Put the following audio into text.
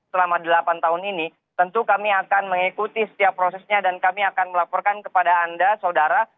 selama delapan tahun ini tentu kami akan mengikuti setiap prosesnya dan kami akan melaporkan kepada anda saudara